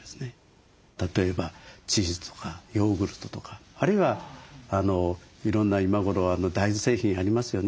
例えばチーズとかヨーグルトとかあるいはいろんな今頃は大豆製品ありますよね。